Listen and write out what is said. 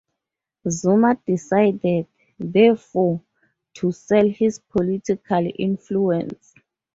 Zuma decided, therefore, to sell his political influence.